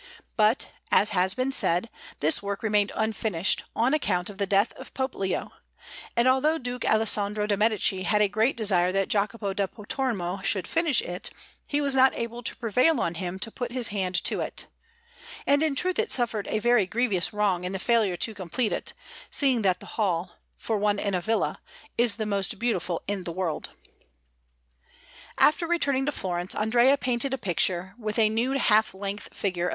But, as has been said, this work remained unfinished, on account of the death of Pope Leo; and although Duke Alessandro de' Medici had a great desire that Jacopo da Pontormo should finish it, he was not able to prevail on him to put his hand to it. And in truth it suffered a very grievous wrong in the failure to complete it, seeing that the hall, for one in a villa, is the most beautiful in the world. After returning to Florence, Andrea painted a picture with a nude half length figure of S.